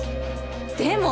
でも。